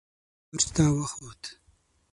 برج ته وخوت.